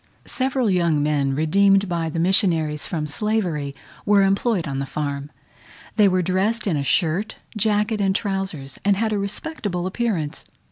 Several young men, redeemed by the missionaries from slavery, were employed on the farm. They were dressed in a shirt, jacket, and trousers, and had a respectable appearance.